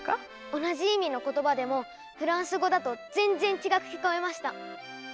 同じ意味の言葉でもフランス語だと全然違く聞こえました。